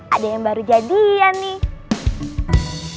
ada yang baru jadian nih